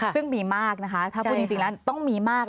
ซึ่งมีมากนะคะถ้าพูดจริงแล้วต้องมีมาก